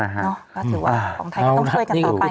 ก็ถือว่าของไทยก็ต้องช่วยกันต่อไป